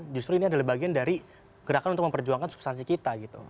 justru ini adalah bagian dari gerakan untuk memperjuangkan substansi kita gitu